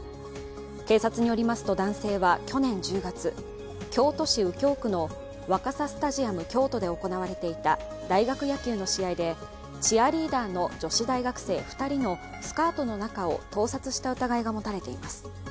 警察によりますと、男性は去年１０月、京都市右京区のわかさスタジアム京都で行われていた大学野球の試合で、チアリーダーの女子大学生２人のスカートの中を盗撮した疑いが持たれています。